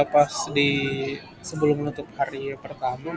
pas sebelum menutup hari pertama